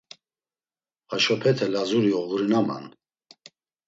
Haşopete Lazuri oğurinaman.